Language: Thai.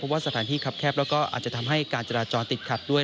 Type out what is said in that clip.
ว่าสถานที่คับแคบแล้วก็อาจจะทำให้การจราจรติดขัดด้วย